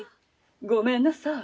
ごめんなさい。